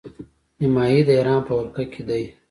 نیمايي د ایران په ولکه کې دی.